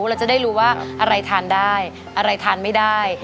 เราจะได้รู้ว่าอะไรทานได้อะไรทานไม่ได้